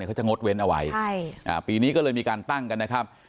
เขาจะงดเว้นเอาไว้ใช่อ่าปีนี้ก็เลยมีการตั้งกันนะครับ